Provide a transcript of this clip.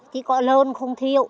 cây có lơn không thiếu